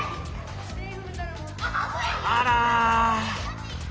あら。